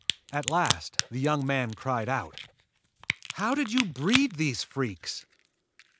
At last the young man cried out: "How did you breed these freaks?"